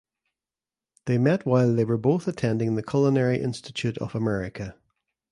They met while they were both attending the Culinary Institute of America.